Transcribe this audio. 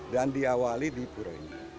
dan diawali di pura ini